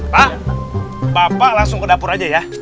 pak bapak langsung ke dapur aja ya